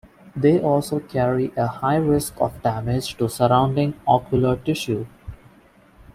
They also carry a high risk of damage to surrounding ocular tissue.